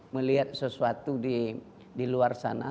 melihat sesuatu di luar sana